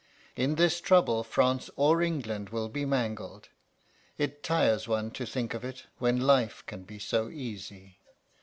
In this trouble France or England will be mangled. It tires one to think of it when life can be so easy.